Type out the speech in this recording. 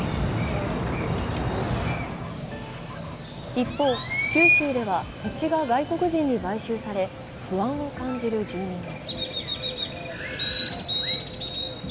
一方、九州では土地が外国人に買収され、不安を感じる住民も。